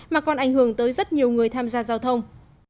mà còn ảnh hưởng tới rất nhiều người tham gia giao thông